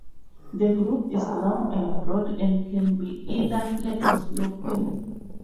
The croup is long and broad and can be either flat or sloping.